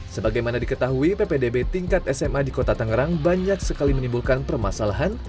sebagaimana diketahui ppdb tingkat sma di kota tangerang banyak sekali menimbulkan permasalahan